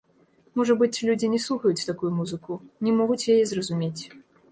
Можа быць, людзі не слухаюць такую музыку, не могуць яе зразумець.